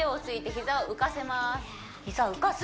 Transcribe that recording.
膝浮かす